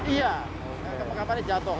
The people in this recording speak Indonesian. iya kemungkinan jatuh